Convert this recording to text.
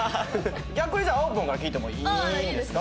逆にさあおぽんから聞いてもいいんですか？